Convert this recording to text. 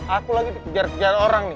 aku lagi dikejar kejar orang nih